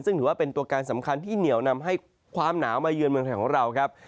ซึ่งถือว่าเป็นตัวการสำคัญที่เหนียวนำให้ความหนาวมาเยือนเมืองไทยของเราครับ